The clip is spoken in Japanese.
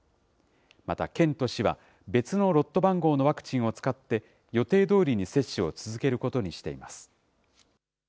また県と市は、別のロット番号のワクチンを使って、予定どおりに接種を続けることにしています。